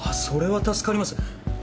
それは助かります。